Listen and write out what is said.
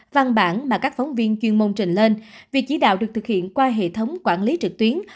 văn bản mà các phóng viên chuyên môn trình lên việc chỉ đạo được thực hiện qua hệ thống quản lý trực tuyến